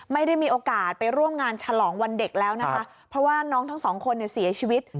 ไม่ได้มีโอกาสไปร่วมงานฉลองวันเด็กแล้วนะคะเพราะว่าน้องทั้งสองคนเนี่ยเสียชีวิต